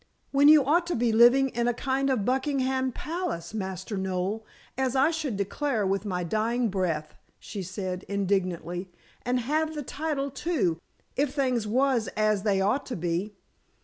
"When you ought to be living in a kind of Buckingham Palace, Master Noel, as I should declare with my dying breath," she said indignantly. "And have the title, too, if things was as they ought to be."